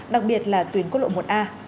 đặc biệt là tuyến quốc lộ một a